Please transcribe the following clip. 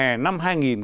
trước đó mùa hè